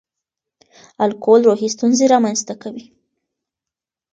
الکول روحي ستونزې رامنځ ته کوي.